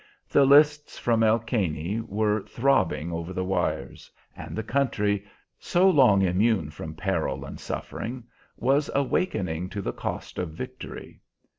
The lists from El Caney were throbbing over the wires, and the country, so long immune from peril and suffering, was awakening to the cost of victory.